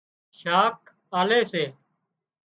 شاک آلي سي